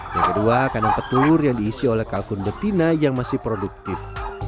yang kedua kandang petelur yang diisi oleh kalkun betina yang masih produktif